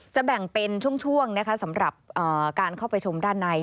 แบ่งเป็นช่วงนะคะสำหรับการเข้าไปชมด้านใน